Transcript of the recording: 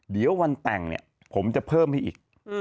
เดี๋ยววันแต่งเนี่ยผมจะเพิ่มให้อีก